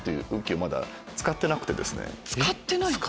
使ってない⁉